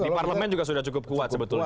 di parlemen juga sudah cukup kuat sebetulnya